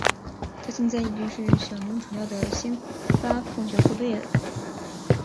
他现在已经是小牛主要的先发控球后卫了。